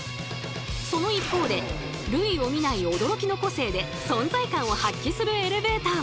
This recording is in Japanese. その一方で類を見ない驚きの個性で存在感を発揮するエレベーターも！